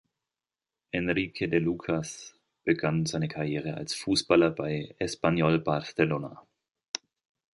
Enrique de Lucas begann seine Karriere als Fußballer bei Espanyol Barcelona.